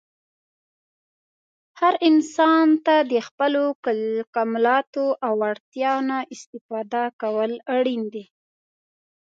هر انسان ته د خپلو کمالاتو او وړتیاوو نه استفاده کول اړین دي.